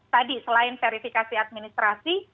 tadi selain verifikasi administrasi